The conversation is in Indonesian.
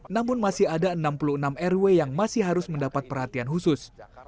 namun masih ada enam puluh enam rw yang masih harus mendapat perhatian khusus